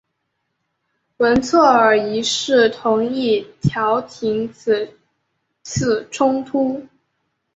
文策尔一世同意调停此次冲突。